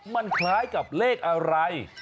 มันคล้ายกับเลขอะไร